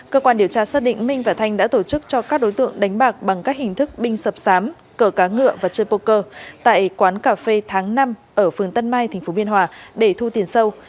cơ quan điều tra xác định minh và thanh đã tổ chức cho các đối tượng đánh bạc bằng các hình thức binh sập sám cờ cá ngựa và chơi poker tại quán cà phê tháng năm ở phường tân mai tp biên hòa để thu tiền sâu